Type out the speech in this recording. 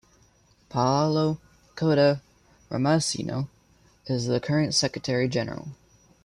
Paolo Cotta-Ramusino is the current Secretary General.